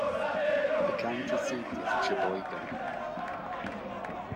The county seat is Cheboygan.